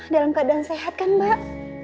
dalam keadaan sehat kan mbak